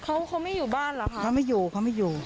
เขาเขาไม่อยู่บ้านเหรอคะเขาไม่อยู่เขาไม่อยู่